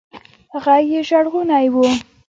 ږغ يې ژړغونى و.